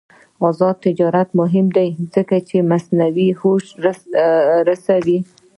آزاد تجارت مهم دی ځکه چې مصنوعي هوش رسوي.